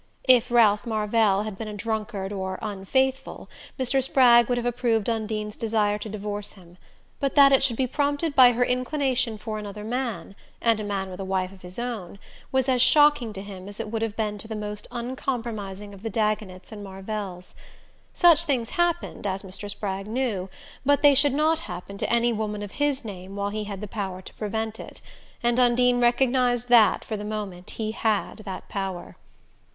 If Ralph Marvell had been a drunkard or "unfaithful" Mr. Spragg would have approved Undine's desire to divorce him; but that it should be prompted by her inclination for another man and a man with a wife of his own was as shocking to him as it would have been to the most uncompromising of the Dagonets and Marvells. Such things happened, as Mr. Spragg knew, but they should not happen to any woman of his name while he had the power to prevent it; and Undine recognized that for the moment he had that power.